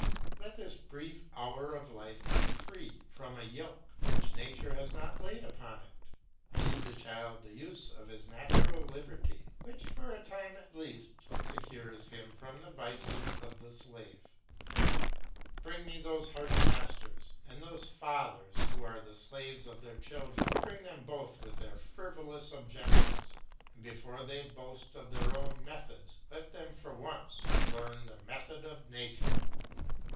Let this brief hour of life be free from a yoke which nature has not laid upon it; leave the child the use of his natural liberty, which, for a time at least, secures him from the vices of the slave. Bring me those harsh masters, and those fathers who are the slaves of their children, bring them both with their frivolous objections, and before they boast of their own methods let them for once learn the method of nature.